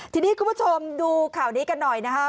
ทีนี้คุณผู้ชมดูข่าวนี้กันหน่อยนะครับ